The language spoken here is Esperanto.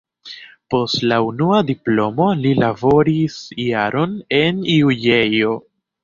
Post la unua diplomo li laboris jaron en juĝejo.